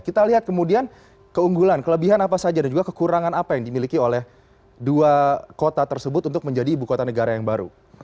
kita lihat kemudian keunggulan kelebihan apa saja dan juga kekurangan apa yang dimiliki oleh dua kota tersebut untuk menjadi ibu kota negara yang baru